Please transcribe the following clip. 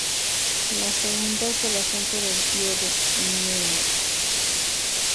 La segunda es el asunto del tío de Mehmet.